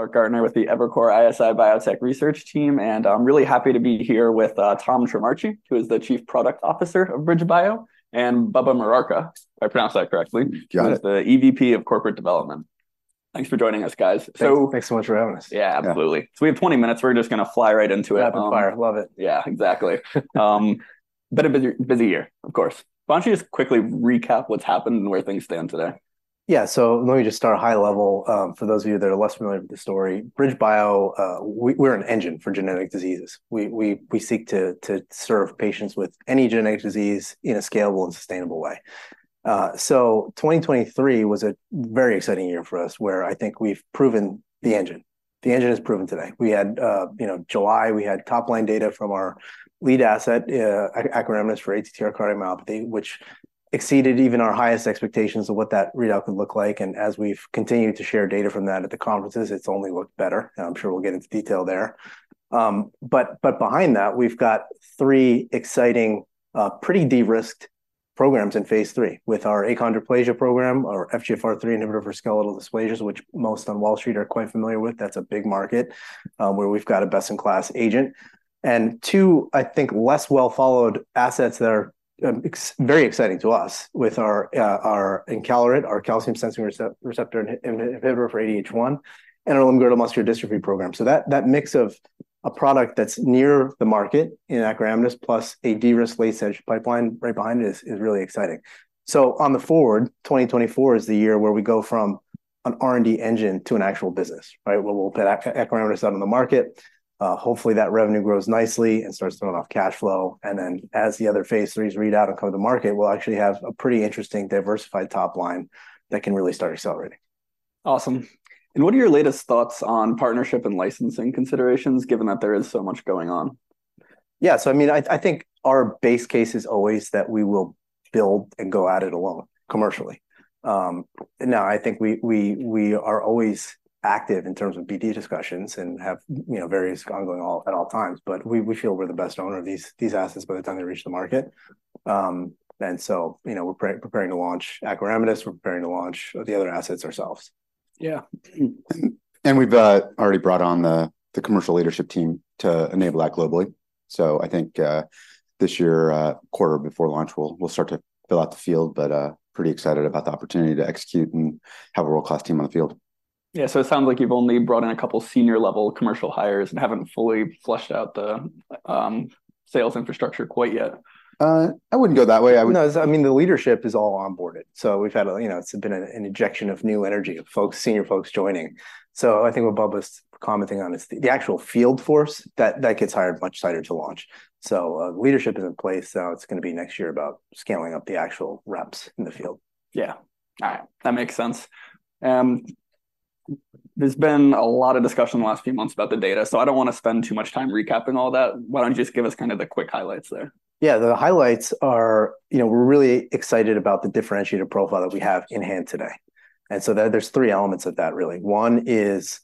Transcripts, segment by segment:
Gavin Clark-Gartner with the Evercore ISI Biotech Research Team, and I'm really happy to be here with Tom Trimarchi, who is the Chief Product Officer of BridgeBio, and Bubba Murarka, if I pronounced that correctly. Got it. who is the EVP of Corporate Development. Thanks for joining us, guys. So- Thanks so much for having us. Yeah, absolutely. Yeah. We have 20 minutes. We're just gonna fly right into it. Jump in the fire. Love it. Yeah, exactly. Been a busy, busy year, of course. Why don't you just quickly recap what's happened and where things stand today? Yeah, so let me just start high level, for those of you that are less familiar with the story. BridgeBio, we’re an engine for genetic diseases. We seek to serve patients with any genetic disease in a scalable and sustainable way. So 2023 was a very exciting year for us, where I think we've proven the engine. The engine is proven today. We had, you know, July, we had top-line data from our lead asset, acoramidis, for ATTR-CM, which exceeded even our highest expectations of what that readout would look like, and as we've continued to share data from that at the conferences, it's only looked better, and I'm sure we'll get into detail there. But behind that, we've got three exciting, pretty de-risked programs in Phase III, with our achondroplasia program, our FGFR3 inhibitor for skeletal dysplasias, which most on Wall Street are quite familiar with. That's a big market, where we've got a best-in-class agent. And two, I think, less well-followed assets that are very exciting to us, with our encaleret, our calcium-sensing receptor inhibitor for ADH1, and our limb-girdle muscular dystrophy program. So that mix of a product that's near the market in acoramidis, plus a de-risked late-stage pipeline right behind it is really exciting. So on the forward, 2024 is the year where we go from an R&D engine to an actual business, right? Where we'll put acoramidis out on the market. Hopefully, that revenue grows nicely and starts throwing off cash flow, and then, as the other phase IIIs read out and come to the market, we'll actually have a pretty interesting, diversified top line that can really start accelerating. Awesome. What are your latest thoughts on partnership and licensing considerations, given that there is so much going on? Yeah, so I mean, I think our base case is always that we will build and go at it alone commercially. Now I think we are always active in terms of BD discussions and have, you know, various going on at all times, but we feel we're the best owner of these assets by the time they reach the market. And so, you know, we're preparing to launch acoramidis. We're preparing to launch the other assets ourselves. Yeah. And we've already brought on the commercial leadership team to enable that globally. So I think, this year, quarter before launch, we'll start to fill out the field, but, pretty excited about the opportunity to execute and have a world-class team on the field. Yeah, so it sounds like you've only brought in a couple senior-level commercial hires and haven't fully flushed out the sales infrastructure quite yet. I wouldn't go that way. I would- No, I mean, the leadership is all onboarded. So we've had a... You know, it's been an injection of new energy, of folks, senior folks joining. So I think what Bubba's commenting on is the actual field force that gets hired much tighter to launch. So, leadership is in place, so it's gonna be next year about scaling up the actual reps in the field. Yeah. All right, that makes sense. There's been a lot of discussion in the last few months about the data, so I don't wanna spend too much time recapping all that. Why don't you just give us kind of the quick highlights there? Yeah, the highlights are, you know, we're really excited about the differentiated profile that we have in hand today, and so there's three elements of that, really. One is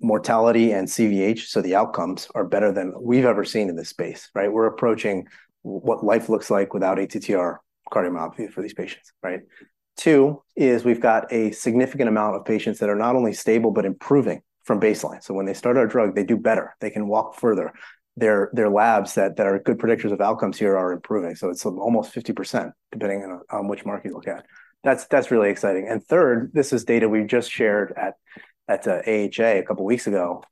mortality and CVH, so the outcomes are better than we've ever seen in this space, right? We're approaching what life looks like without ATTR-CM for these patients, right? Two, is we've got a significant amount of patients that are not only stable but improving from baseline, so when they start our drug, they do better. They can walk further. Their labs that are good predictors of outcomes here, are improving, so it's almost 50%, depending on which mark you look at. That's really exciting. And third, this is data we just shared at AHA a couple weeks ago.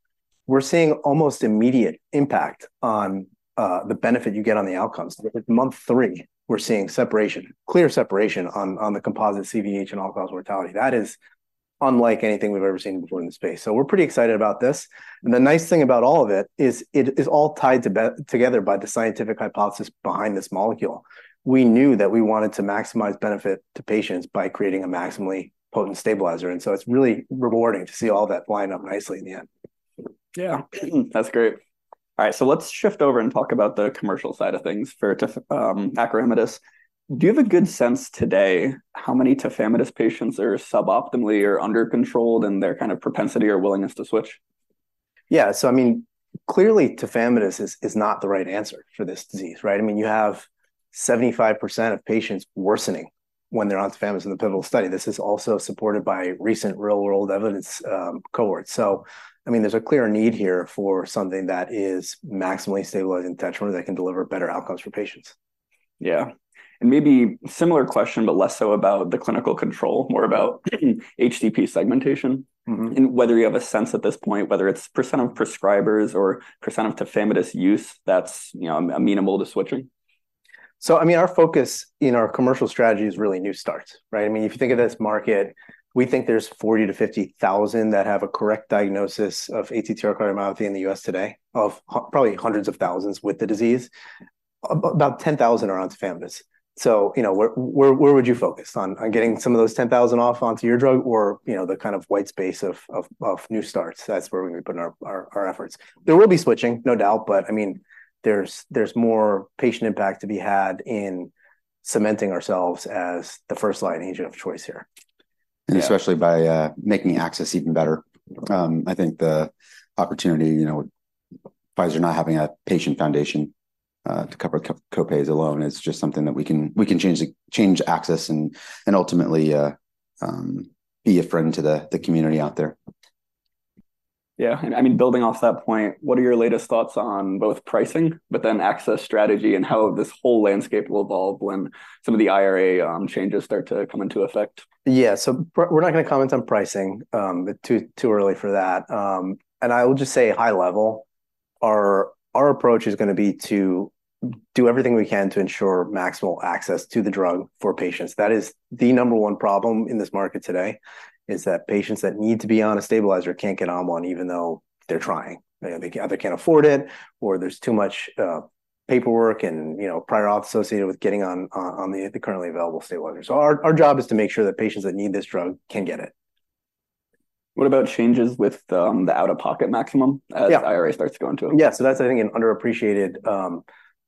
We're seeing almost immediate impact on the benefit you get on the outcomes. At month three, we're seeing separation, clear separation on the composite CVH and all-cause mortality. That is unlike anything we've ever seen before in the space, so we're pretty excited about this. And the nice thing about all of it is it is all tied to be together by the scientific hypothesis behind this molecule. We knew that we wanted to maximize benefit to patients by creating a maximally potent stabilizer, and so it's really rewarding to see all that line up nicely in the end. Yeah. That's great. All right, so let's shift over and talk about the commercial side of things for taf-, acoramidis. Do you have a good sense today how many tafamidis patients are suboptimally or under-controlled, and their kind of propensity or willingness to switch? Yeah, so I mean, clearly, tafamidis is, is not the right answer for this disease, right? I mean, you have 75% of patients worsening when they're on tafamidis in the pivotal study. This is also supported by recent real-world evidence, cohorts. So I mean, there's a clear need here for something that is maximally stabilizing tetramer that can deliver better outcomes for patients. Yeah. And maybe similar question, but less so about the clinical control, more about HCP segmentation? Mm-hmm... and whether you have a sense at this point, whether it's % of prescribers or % of tafamidis use, that's, you know, amenable to switching. So, I mean, our focus in our commercial strategy is really new start, right? I mean, if you think of this market, we think there's 40-50 thousand that have a correct diagnosis of ATTR cardiomyopathy in the U.S. today, of probably hundreds of thousands with the disease. About 10,000 are on tafamidis, so, you know, where, where, where would you focus on, on getting some of those 10,000 off onto your drug or, you know, the kind of white space of, of, of new starts? That's where we're gonna be putting our, our, our efforts. There will be switching, no doubt, but I mean, there's, there's more patient impact to be had in cementing ourselves as the first-line agent of choice here. Yeah. Especially by making access even better. I think the opportunity, you know, with Pfizer not having a patient foundation to cover copays alone is just something that we can change access and ultimately be a friend to the community out there. Yeah, and I mean, building off that point, what are your latest thoughts on both pricing, but then access strategy and how this whole landscape will evolve when some of the IRA changes start to come into effect? Yeah. So we're not gonna comment on pricing too early for that. And I will just say high level, our approach is gonna be to do everything we can to ensure maximal access to the drug for patients. That is the number one problem in this market today, is that patients that need to be on a stabilizer can't get on one, even though they're trying. They either can't afford it, or there's too much paperwork and, you know, prior auth associated with getting on the currently available stabilizer. So our job is to make sure that patients that need this drug can get it. What about changes with the out-of-pocket maximum- Yeah... as IRA starts to go into it? Yeah. So that's, I think, an underappreciated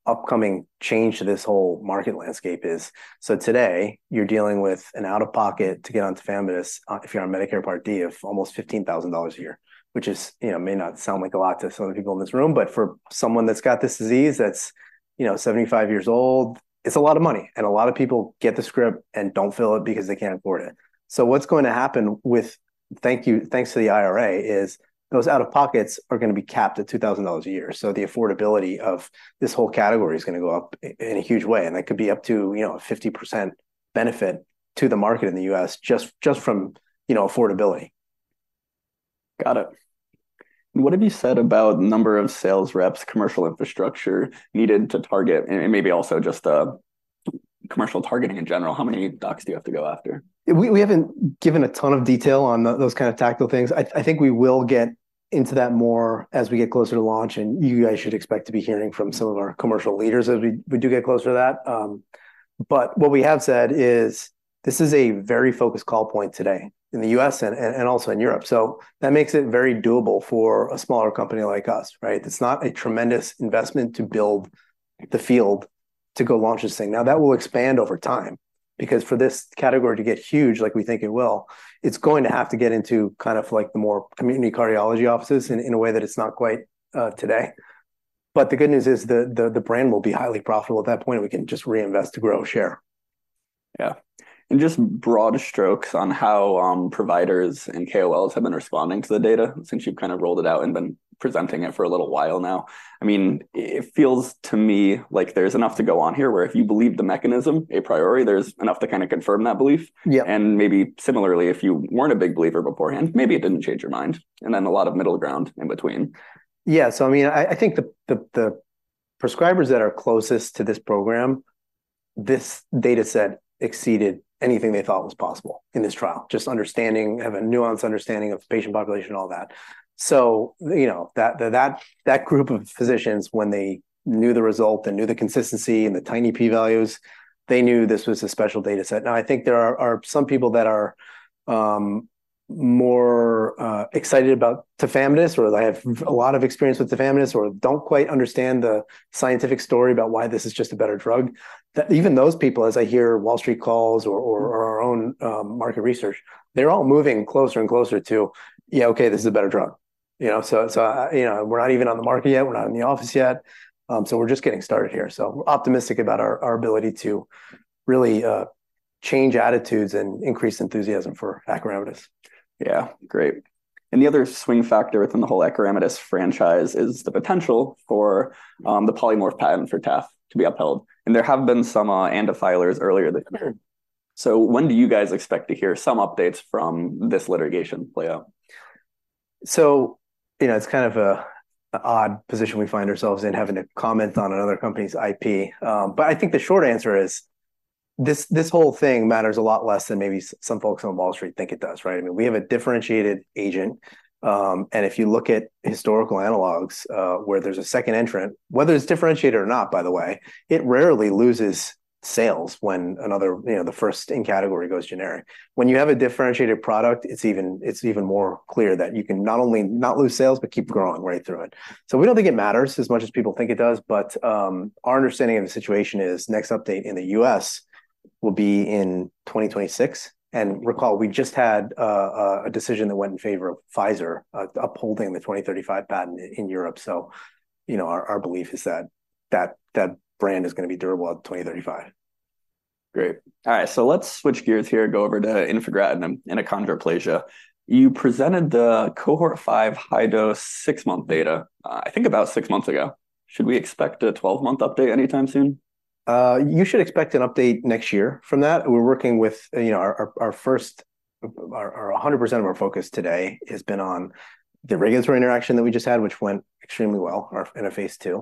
upcoming change to this whole market landscape is... So today you're dealing with an out-of-pocket to get on tafamidis, if you're on Medicare Part D, of almost $15,000 a year, which is, you know, may not sound like a lot to some of the people in this room, but for someone that's got this disease, that's, you know, 75 years old, it's a lot of money, and a lot of people get the script and don't fill it because they can't afford it. So what's going to happen with thanks to the IRA, is those out-of-pockets are gonna be capped at $2,000 a year. The affordability of this whole category is gonna go up in a huge way, and that could be up to, you know, a 50% benefit to the market in the U.S. just, just from, you know, affordability. Got it. What have you said about number of sales reps, commercial infrastructure needed to target, and maybe also just commercial targeting in general? How many docs do you have to go after? We haven't given a ton of detail on those kind of tactical things. I think we will get into that more as we get closer to launch, and you guys should expect to be hearing from some of our commercial leaders as we do get closer to that. But what we have said is, this is a very focused call point today in the U.S. and also in Europe, so that makes it very doable for a smaller company like us, right? It's not a tremendous investment to build the field to go launch this thing. Now, that will expand over time, because for this category to get huge, like we think it will, it's going to have to get into kind of like the more community cardiology offices in a way that it's not quite today. But the good news is the brand will be highly profitable. At that point, we can just reinvest to grow share. Yeah. And just broad strokes on how, providers and KOLs have been responding to the data since you've kind of rolled it out and been presenting it for a little while now. I mean, it feels to me like there's enough to go on here, where if you believe the mechanism a priori, there's enough to kind of confirm that belief. Yeah. Maybe similarly, if you weren't a big believer beforehand, maybe it didn't change your mind, and then a lot of middle ground in between. Yeah. So I mean, I think the prescribers that are closest to this program, this data set exceeded anything they thought was possible in this trial, just understanding, have a nuanced understanding of the patient population, all that. So you know, that group of physicians, when they knew the result and knew the consistency and the tiny p-values, they knew this was a special data set. Now, I think there are some people that are more excited about tafamidis, or they have a lot of experience with tafamidis, or don't quite understand the scientific story about why this is just a better drug, that even those people, as I hear Wall Street calls or our own market research, they're all moving closer and closer to, "Yeah, okay, this is a better drug." You know, so, you know, we're not even on the market yet, we're not in the office yet, so we're just getting started here. So we're optimistic about our ability to really change attitudes and increase enthusiasm for acoramidis. Yeah. Great. And the other swing factor within the whole acoramidis franchise is the potential for the polymorph patent for TAF to be upheld, and there have been some ANDA filers earlier this year. So when do you guys expect to hear some updates from this litigation play out? So, you know, it's kind of a, an odd position we find ourselves in, having to comment on another company's IP. But I think the short answer is, this, this whole thing matters a lot less than maybe some folks on Wall Street think it does, right? I mean, we have a differentiated agent, and if you look at historical analogs, where there's a second entrant, whether it's differentiated or not, by the way, it rarely loses sales when another... you know, the first in category goes generic. When you have a differentiated product, it's even, it's even more clear that you can not only not lose sales, but keep growing right through it. So we don't think it matters as much as people think it does, but, our understanding of the situation is next update in the U.S. will be in 2026. And recall, we just had a decision that went in favor of Pfizer, upholding the 2035 patent in Europe. So, you know, our belief is that that brand is gonna be durable at 2035. Great. All right, so let's switch gears here and go over to infigratinib and achondroplasia. You presented the cohort 5 high-dose six-month data, I think about six months ago. Should we expect a 12-month update anytime soon? You should expect an update next year from that. We're working with, you know, our first. Our hundred percent of our focus today has been on the regulatory interaction that we just had, which went extremely well in our phase II,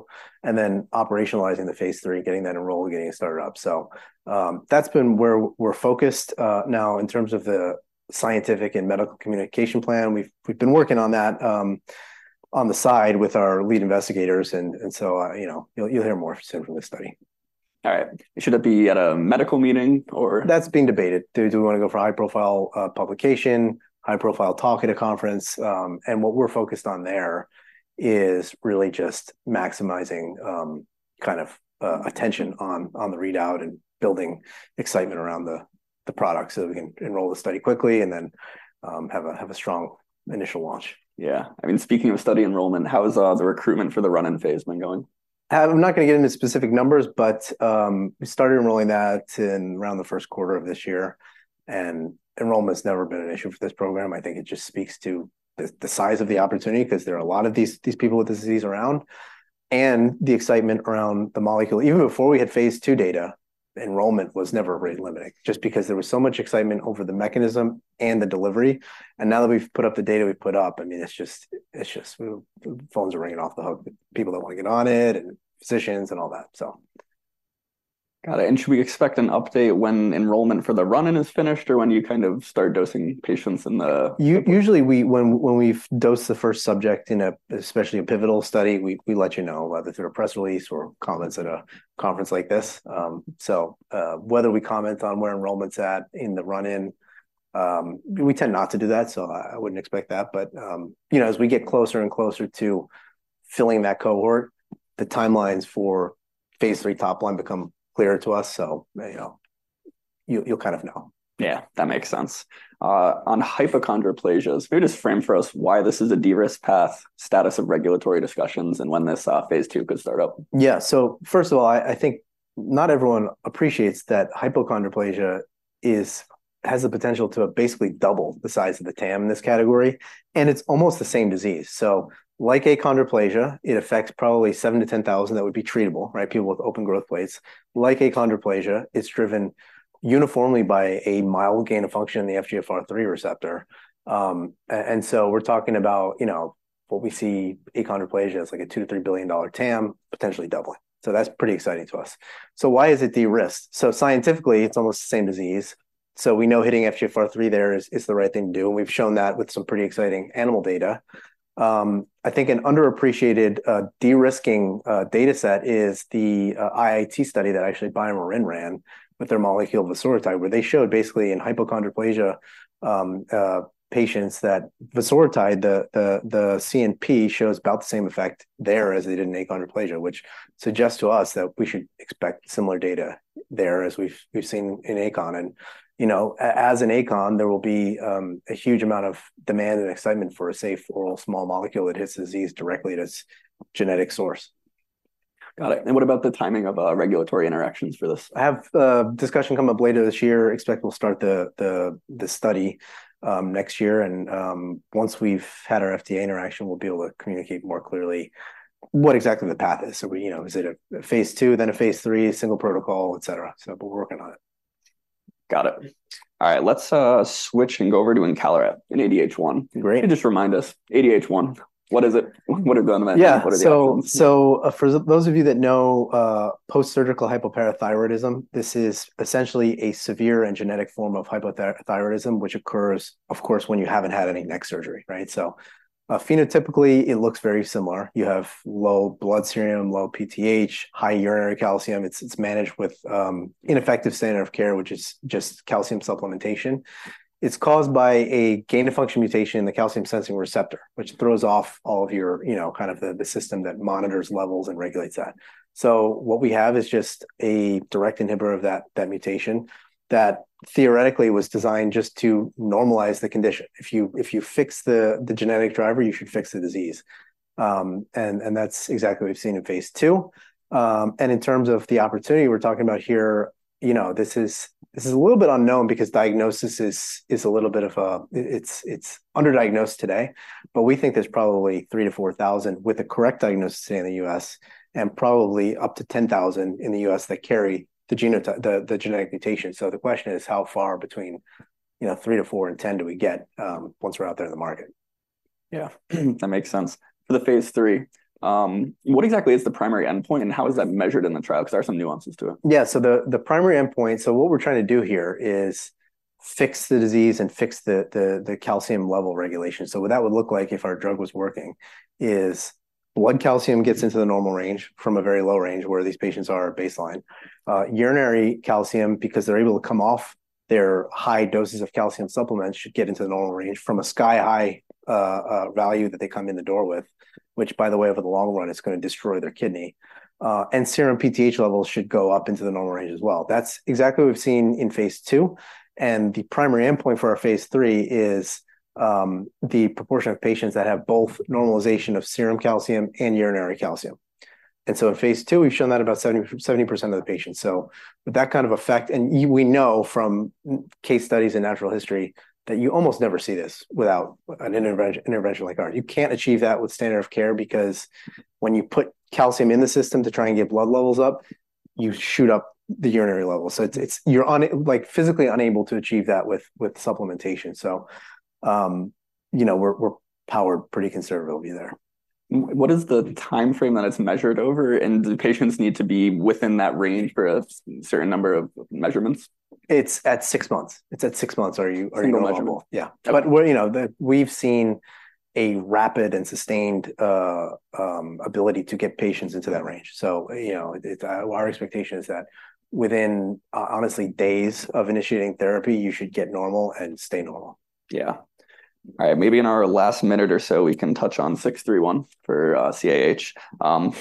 and then operationalizing the phase III, getting that enrolled, getting it started up. So, that's been where we're focused. Now, in terms of the scientific and medical communication plan, we've been working on that, on the side with our lead investigators, and so, you know, you'll hear more soon from this study. All right. Should it be at a medical meeting or- That's being debated. Do we wanna go for a high-profile publication, high-profile talk at a conference? And what we're focused on there is really just maximizing kind of attention on the readout and building excitement around the product so we can enroll the study quickly, and then have a strong initial launch. Yeah. I mean, speaking of study enrollment, how is the recruitment for the run-in phase been going? I'm not gonna get into specific numbers, but we started enrolling that in around the first quarter of this year, and enrollment's never been an issue for this program. I think it just speaks to the size of the opportunity, 'cause there are a lot of these people with this disease around, and the excitement around the molecule. Even before we had phase 2 data, enrollment was never really limiting, just because there was so much excitement over the mechanism and the delivery, and now that we've put up the data we've put up, I mean, it's just the phones are ringing off the hook, people that want to get on it, and physicians, and all that, so. Got it. And should we expect an update when enrollment for the run-in is finished, or when you kind of start dosing patients in the- Usually, when we've dosed the first subject in a, especially a pivotal study, we let you know, whether through a press release or comments at a conference like this. So, whether we comment on where enrollment's at in the run-in, we tend not to do that, so I wouldn't expect that. But you know, as we get closer and closer to filling that cohort, the timelines for phase three top line become clearer to us, so you know, you'll kind of know. Yeah, that makes sense. On hypochondroplasia, maybe just frame for us why this is a de-risk path, status of regulatory discussions, and when this phase 2 could start up? Yeah. So first of all, I think not everyone appreciates that hypochondroplasia has the potential to basically double the size of the TAM in this category, and it's almost the same disease. So like achondroplasia, it affects probably seven to 10,000 that would be treatable, right? People with open growth plates. Like achondroplasia, it's driven uniformly by a mild gain of function in the FGFR3 receptor. And so we're talking about, you know, what we see achondroplasia, it's like a $2-$3 billion TAM, potentially doubling. So that's pretty exciting to us. So why is it de-risk? So scientifically, it's almost the same disease, so we know hitting FGFR3 there is the right thing to do, and we've shown that with some pretty exciting animal data. I think an underappreciated de-risking data set is the IIT study that actually BioMarin ran with their molecule, vosoritide, where they showed basically in hypochondroplasia patients that vosoritide, the CNP shows about the same effect there as they did in achondroplasia, which suggests to us that we should expect similar data there as we've seen in achon. And, you know, as in achon, there will be a huge amount of demand and excitement for a safe oral small molecule that hits disease directly at its genetic source. Got it. What about the timing of regulatory interactions for this? Have a discussion come up later this year. Expect we'll start the study next year, and once we've had our FDA interaction, we'll be able to communicate more clearly what exactly the path is. So, you know, is it a phase two, then a phase three, single protocol, et cetera, so but we're working on it. Got it. All right, let's switch and go over to encaleret in ADH1. Great. Just remind us, ADH1, what is it? What are the... Yeah. What are the outcomes? For those of you that know postsurgical hypoparathyroidism, this is essentially a severe and genetic form of hypoparathyroidism, which occurs, of course, when you haven't had any neck surgery, right? So, phenotypically, it looks very similar. You have low blood serum, low PTH, high urinary calcium. It's managed with ineffective standard of care, which is just calcium supplementation. It's caused by a gain-of-function mutation in the calcium-sensing receptor, which throws off all of your, you know, kind of the system that monitors levels and regulates that. So what we have is just a direct inhibitor of that mutation that theoretically was designed just to normalize the condition. If you fix the genetic driver, you should fix the disease. And that's exactly what we've seen in phase 2. And in terms of the opportunity we're talking about here, you know, this is, this is a little bit unknown because diagnosis is, is a little bit of a... it's, it's underdiagnosed today, but we think there's probably 3,000-4,000 with a correct diagnosis in the U.S., and probably up to 10,000 in the U.S. that carry the genetic mutation. So the question is, how far between, you know, 3,000-4,000 and 10,000 do we get once we're out there in the market? Yeah, that makes sense. For the phase 3, what exactly is the primary endpoint, and how is that measured in the trial? 'Cause there are some nuances to it. Yeah, so the primary endpoint, so what we're trying to do here is fix the disease and fix the calcium level regulation. So what that would look like if our drug was working is blood calcium gets into the normal range from a very low range, where these patients are at baseline. Urinary calcium, because they're able to come off their high doses of calcium supplements, should get into the normal range from a sky-high value that they come in the door with, which, by the way, over the long run, is gonna destroy their kidney. And serum PTH levels should go up into the normal range as well. That's exactly what we've seen in phase 2, and the primary endpoint for our phase 3 is the proportion of patients that have both normalization of serum calcium and urinary calcium. And so in phase two, we've shown that about 70% of the patients, so with that kind of effect. We know from case studies in natural history, that you almost never see this without an intervention like ours. You can't achieve that with standard of care, because when you put calcium in the system to try and get blood levels up, you shoot up the urinary level. So it's, you're like, physically unable to achieve that with supplementation. So, you know, we're powered pretty conservatively there. What is the timeframe that it's measured over, and do patients need to be within that range for a certain number of measurements? It's at six months. It's at six months, are you, are you eligible? Single month. Yeah. But we're, you know, we've seen a rapid and sustained ability to get patients into that range. So you know, our expectation is that within, honestly, days of initiating therapy, you should get normal and stay normal. Yeah. All right, maybe in our last minute or so, we can touch on 631 for CAH.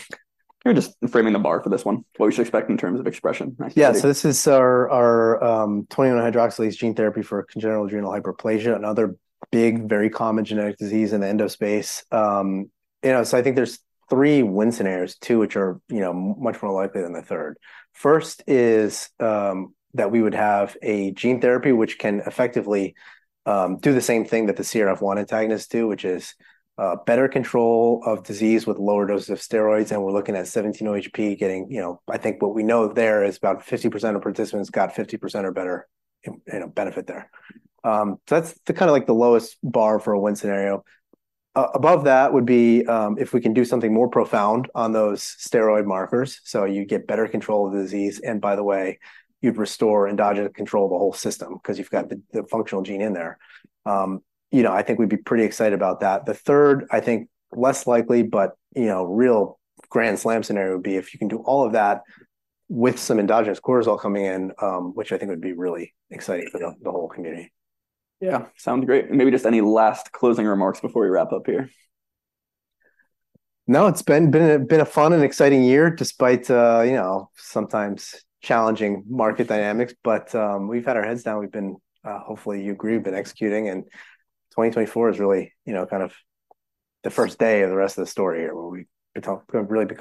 You're just framing the bar for this one, what we should expect in terms of expression... Yeah. So this is our 21-hydroxylase gene therapy for congenital adrenal hyperplasia, another big, very common genetic disease in the endo space. You know, so I think there's three win scenarios, two which are much more likely than the third. First is that we would have a gene therapy which can effectively do the same thing that the CRF1 antagonists do, which is better control of disease with lower doses of steroids, and we're looking at 17-OHP getting... You know, I think what we know there is about 50% of participants got 50% or better benefit there. So that's the kind of like the lowest bar for a win scenario. Above that would be, if we can do something more profound on those steroid markers, so you get better control of the disease, and by the way, you'd restore endogenous control of the whole system, 'cause you've got the functional gene in there. You know, I think we'd be pretty excited about that. The third, I think, less likely, but, you know, real grand slam scenario would be if you can do all of that with some endogenous cortisol coming in, which I think would be really exciting for the whole community. Yeah, sounds great. Maybe just any last closing remarks before we wrap up here? No, it's been a fun and exciting year, despite you know, sometimes challenging market dynamics, but we've had our heads down. We've been, hopefully you agree, we've been executing, and 2024 is really, you know, kind of the first day of the rest of the story here, where we could talk - got really big -